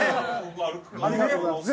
◆ありがとうございます。